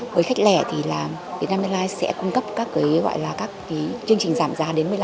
với khách lẻ việt nam airlines sẽ cung cấp các chương trình giảm giá đến một mươi năm